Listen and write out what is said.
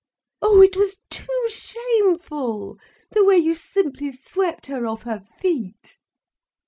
"Oh, it was too shameful, the way you simply swept her off her feet."